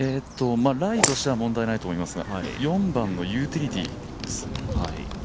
ライとしては問題ないと思いますが、４番のユーティリティーです。